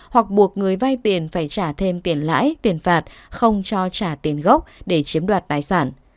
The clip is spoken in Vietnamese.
hoặc buộc người vay tiền phải trả thêm tiền lãi tiền phạt không cho trả tiền gốc để chiếm đoạt tài sản